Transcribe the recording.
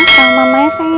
selamat malam ya sayang ya